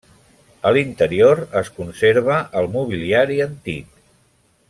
A l'interior es conserva el mobiliari antic.